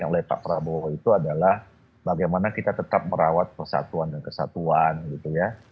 oleh pak prabowo itu adalah bagaimana kita tetap merawat persatuan dan kesatuan gitu ya